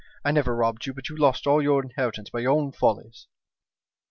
I never robbed you, but you lost your inheritance by your own follies.'